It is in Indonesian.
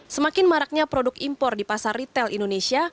semakin maraknya produk impor di pasar retail indonesia